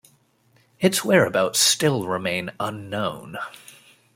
Its whereabouts still remain unknown.